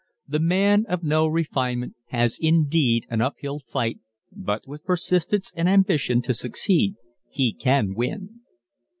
The man of no refinement has indeed an uphill fight but with persistence and ambition to succeed he can win.